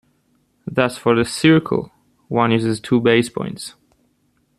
Thus for the circle, one uses two base points.